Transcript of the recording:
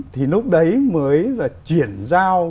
thì lúc đấy mới là chuyển giao